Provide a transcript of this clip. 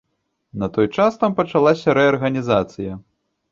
На той час там пачалася рэарганізацыя.